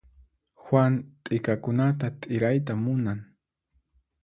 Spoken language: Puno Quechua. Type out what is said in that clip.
Juan t'ikakunata t'irayta munan.